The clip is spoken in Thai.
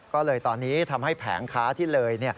ก็เลยตอนนี้ทำให้แผงค้าที่เลย